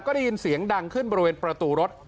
ก็ได้ยินเสียงดังขึ้นบริเวณประตูรถ